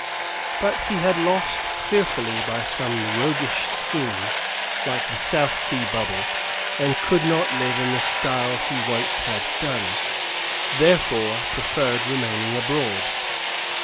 But he had lost fearfully by some roguish scheme, like the South Sea Bubble, and could not live in the style he once had done, therefore preferred remaining abroad.